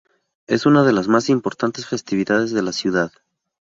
Es una de las más importantes festividades de la ciudad.